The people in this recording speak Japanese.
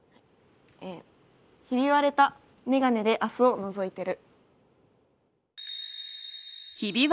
「ひび割れたメガネで明日をのぞいてる」。